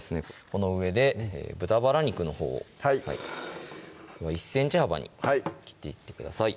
この上で豚バラ肉のほうを１ｃｍ幅に切っていってください